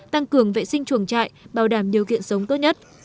tăng cường vệ sinh chuồng trại bảo đảm điều kiện sống tốt nhất